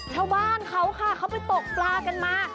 ชาวบ้านเขาค่ะเขาไปตกปลากันมา